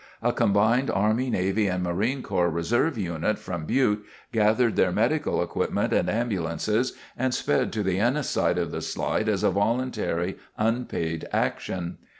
A combined Army, Navy and Marine Corps Reserve unit from Butte gathered their medical equipment and ambulances and sped to the Ennis side of the slide as a voluntary, unpaid action.